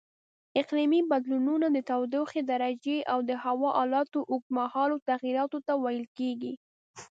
اقلیمي بدلونونه د تودوخې درجې او د هوا حالاتو اوږدمهالو تغییراتو ته ویل کېږي.